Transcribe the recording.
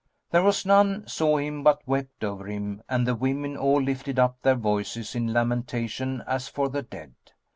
There was none saw him but wept over him and the women all lifted up their voices in lamentation as for the dead.